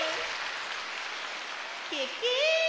ケケ！